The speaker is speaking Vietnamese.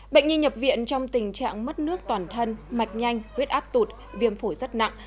bệnh nhi nhập viện trong tình trạng mất nước toàn thân mạch nhanh huyết áp tụt viêm phổi rất nặng